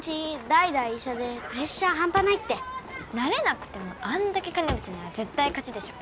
代々医者でプレッシャー半端ないってなれなくてもあんだけ金持ちなら絶対勝ちでしょ